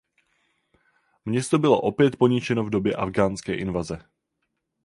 Město bylo opět poničeno v době afghánské invaze.